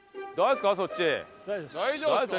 大丈夫ですか？